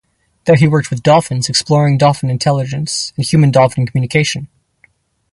There he worked with dolphins exploring dolphin intelligence and human-dolphin communication.